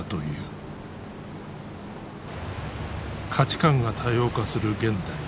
価値観が多様化する現代。